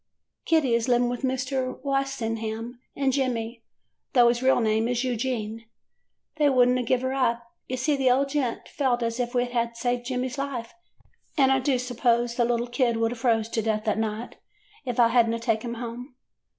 "Kitty is living with Mr. Walsingham and Jemmy, 'though his real name is Eugene. They would n't give her up. You see the old gent felt as if we had saved Jemmy's life, and I do suppose the little kid would a' froze to death that night if I had n't taken him home.